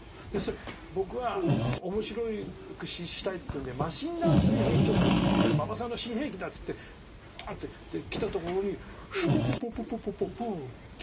で僕は面白くしたいっていうのでマシンガン水平チョップっていって馬場さんの新兵器だっていってパンッてで来たところにスポポポポポポポポウ！っていうのやってたんですよ。